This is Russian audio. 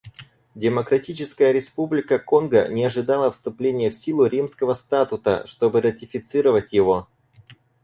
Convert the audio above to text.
Демократическая Республика Конго не ожидала вступления в силу Римского статута, чтобы ратифицировать его.